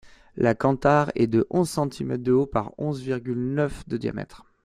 La canthare est de onze centimètres de haut par onze virgule neuf de diamètre.